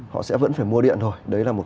họ sẽ vẫn phải mua điện thôi đấy là một